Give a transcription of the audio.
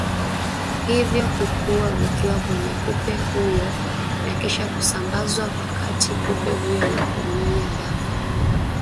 hivyo hukua vikiwa kwenye kupe huyo na kisha kusambazwa wakati kupe huyo anapomnyonnya damu